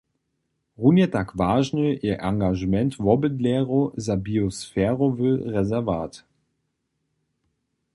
Runje tak wažny je angažement wobydlerjow za biosferowy rezerwat.